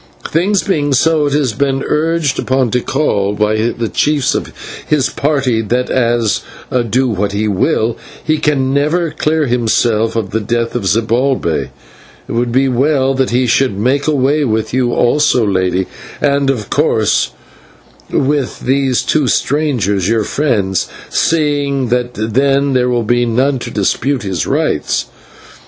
Things being so, it has been urged upon Tikal by the chiefs of his party that as, do what he will, he can never clear himself of the death of Zibalbay, it would be well that he should make away with you also, Lady, and, of course, with these two strangers, your friends, seeing that then there will be none to dispute his rights.